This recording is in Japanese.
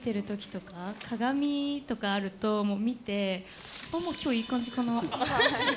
街を歩いているときとか、鏡とかあると、もう見て、きょう、いい感じかな。